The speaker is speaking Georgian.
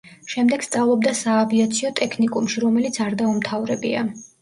შემდეგ სწავლობდა საავიაციო ტექნიკუმში, რომელიც არ დაუმთავრებია.